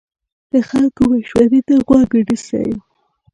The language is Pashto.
د خلکو مشورې ته غوږ ونیسئ.